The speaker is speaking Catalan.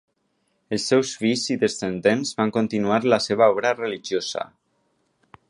Els seus fills i descendents van continuar la seva obra religiosa.